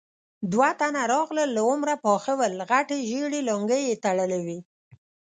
دوه تنه راغلل، له عمره پاخه ول، غټې ژېړې لونګۍ يې تړلې وې.